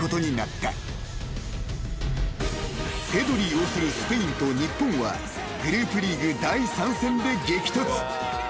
［ペドリ擁するスペインと日本はグループリーグ第３戦で激突］